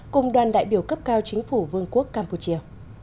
cùng đoàn đại biểu cấp cao chính phủ vương quốc campuchia